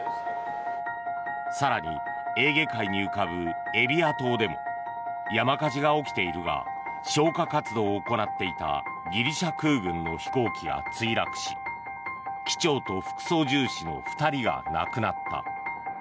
更に、エーゲ海に浮かぶエビア島でも山火事が起きているが消火活動を行っていたギリシャ空軍の飛行機が墜落し機長と副操縦士の２人が亡くなった。